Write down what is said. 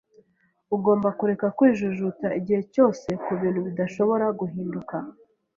Ugomba kureka kwijujuta igihe cyose kubintu bidashobora guhinduka.